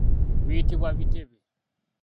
Biyitibwa bitebe.